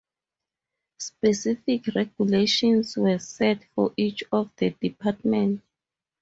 Specific regulations were set for each of the departments.